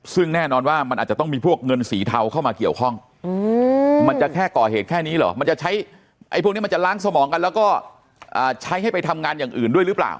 ซึ่งแน่นอนว่ามันอาจจะต้องมีพวกเงินสีเทาเข้ามาเกี่ยวข้องมันจะแค่ก่อเหตุแค่นี้เหรอมันจะใช้ไอ้พวกนี้มันจะล้างสมองกันแล้วก็ใช้ให้ไปทำงานอย่างอื่นด้วยหรือเปล่า